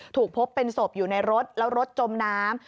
ถูกพบเป็นศพอยู่ในรถแล้วรถจมน้ำ